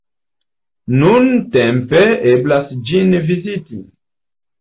Nuntempe eblas ĝin viziti.